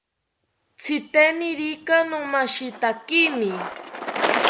Tziteniriki nomishitakimi